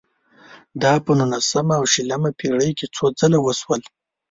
دا په نولسمه او شلمه پېړۍ کې څو ځله وشول.